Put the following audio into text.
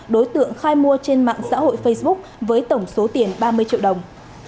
đối tượng khai mua trên mạng xã hội facebook với tổng số tiền ba mươi triệu đồng